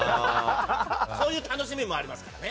そういう楽しみもありますからね。